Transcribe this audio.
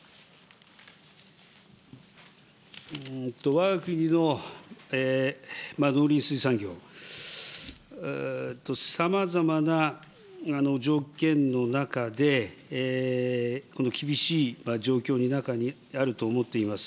わが国の農林水産業、さまざまな条件の中で、この厳しい状況の中にあると思っています。